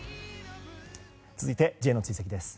続いてＪの追跡です。